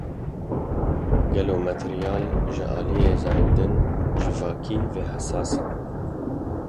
Gelo materyal ji aliyê zayendên civakî ve hesas e?